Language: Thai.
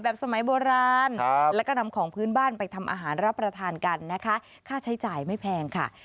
สมัยโบราณแล้วก็นำของพื้นบ้านไปทำอาหารรับประทานกันนะคะค่าใช้จ่ายไม่แพงค่ะ